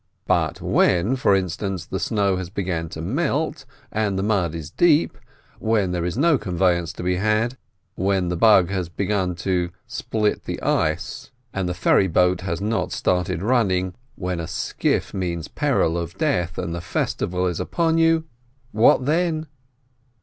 But when, for instance, the snow has begun to melt, and the mud is deep, when there is no conveyance to be had, when the Bug has begun to split the ice, and the ferry boat has not started running, when a skiff means peril of death, and the festival is upon you — what then?